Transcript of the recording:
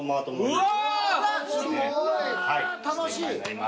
楽しい！